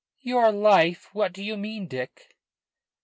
"Your life? What do you mean, Dick?"